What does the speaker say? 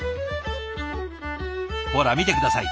ほら見て下さい。